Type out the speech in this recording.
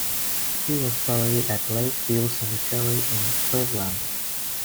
He was buried at Lake View Cemetery in Cleveland.